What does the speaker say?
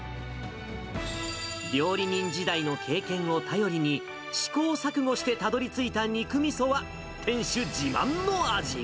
料理人時代の経験を頼りに、試行錯誤してたどりついた肉みそは、店主自慢の味。